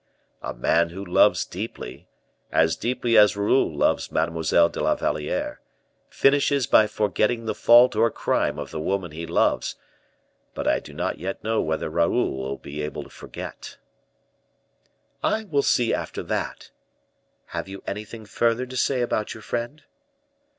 "A man who loves deeply, as deeply as Raoul loves Mademoiselle de la Valliere, finishes by forgetting the fault or crime of the woman he loves; but I do not yet know whether Raoul will be able to forget." "I will see after that. Have you anything further to say about your friend?"